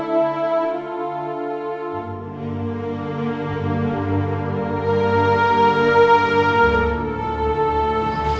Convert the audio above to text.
ibu tinggal disini aja ya ibu